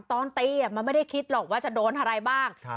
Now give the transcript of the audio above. ตอนตีมันไม่ได้คิดหรอกว่าจะโดนอะไรบ้าง